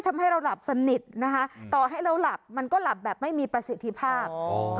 ต่อให้เราหลับมันก็หลับแบบไม่มีประสิทธิภาพ